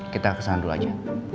kita kesana dulu aja